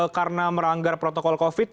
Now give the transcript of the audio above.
karena meranggar protokol covid sembilan belas